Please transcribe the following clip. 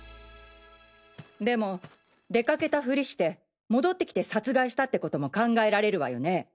でも出かけたフリして戻って来て殺害したってことも考えられるわよね？